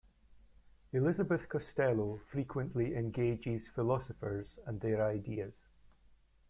Elizabeth Costello frequently engages philosophers and their ideas.